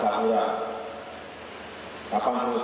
seperti itu saya tanyakan langsung